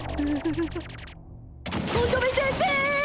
乙女先生！